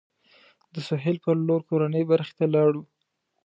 د سهیل پر لور کورنۍ برخې ته لاړو.